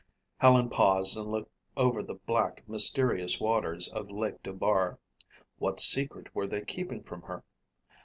Helen paused and looked over the black, mysterious waters of Lake Dubar. What secret were they keeping from her?